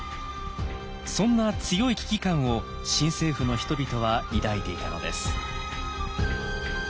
そんな強い危機感を新政府の人々は抱いていたのです。